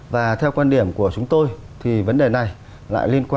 và theo quan điểm của chúng tôi chúng ta sẽ có thể đạt ra một công ty tư vấn nước ngoài